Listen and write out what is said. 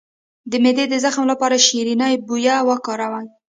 د معدې د زخم لپاره شیرین بویه وکاروئ